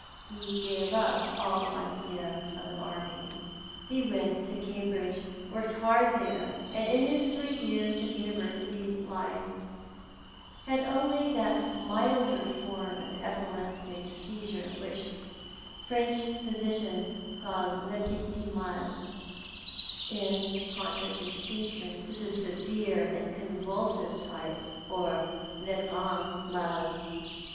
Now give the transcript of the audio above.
He gave up all idea of the army. He went to Cambridge, worked hard there, and in his three years of University life had only that milder form of epileptic seizure which French physicians call le petit mal, in contradistinction to the severe and convulsive type, or le grand mal.